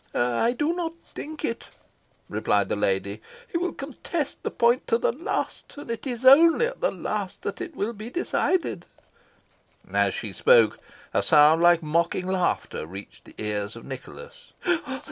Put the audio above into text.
"I do not think it," replied the lady. "He will contest the point to the last, and it is only at the last that it will be decided." As she spoke, a sound like mocking laughter reached the ears of Nicholas.